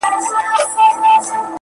ته د رنگونو د خوبونو و سهار ته گډه _